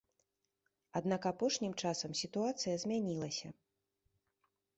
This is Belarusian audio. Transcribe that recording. Аднак апошнім часам сітуацыя змянілася.